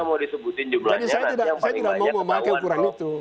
pertama kita harus menggunakan ukuran itu